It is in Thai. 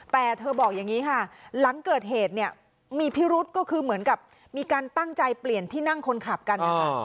แต่เธอบอกอย่างนี้ค่ะหลังเกิดเหตุเนี่ยมีพิรุษก็คือเหมือนกับมีการตั้งใจเปลี่ยนที่นั่งคนขับกันนะคะ